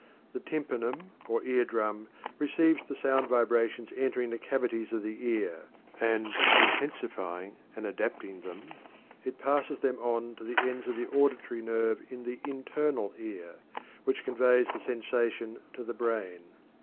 The tympanum, or "ear drum," receives the sound vibrations entering the cavities of the ear, and, intensifying and adapting them, it passes them on to the ends of the auditory nerve in the internal ear, which conveys the sensation to the brain.